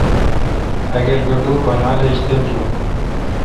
اگر کٹو بانال ایج تِل جون۔